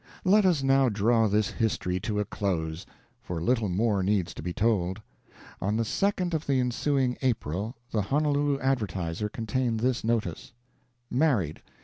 Let us now draw this history to a close, for little more needs to be told. On the 2d of the ensuing April, the Honolulu Advertiser contained this notice: MARRIED.